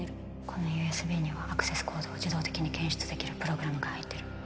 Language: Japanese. この ＵＳＢ にはアクセスコードを自動的に検出できるプログラムが入ってる